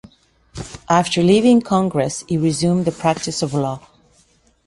After leaving Congress he resumed the practice of law.